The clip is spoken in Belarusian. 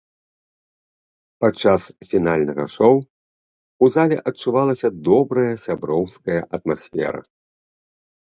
Падчас фінальнага шоу ў зале адчувалася добрая сяброўская атмасфера.